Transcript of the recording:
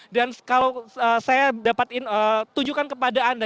dan kalau saya dapatkan tujukan kepada anda